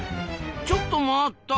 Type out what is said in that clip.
ちょっと待った！